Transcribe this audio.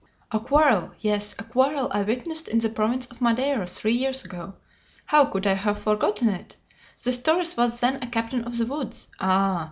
"A quarrel! Yes! a quarrel I witnessed in the province of Madeira three years ago. How could I have forgotten it! This Torres was then a captain of the woods. Ah!